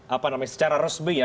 apa namanya secara resmi ya